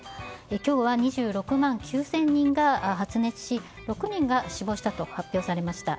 今日は２６万９０００人が発熱し、６人が死亡したと発表されました。